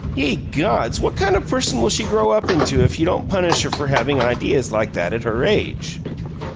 Ye gods! What kind of a person will she grow up into if you don't punish her for havin' ideas like that at her age?"